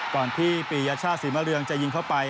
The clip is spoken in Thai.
ก่อนที่ปียชาติศรีมะเรืองจะยิงเข้าไป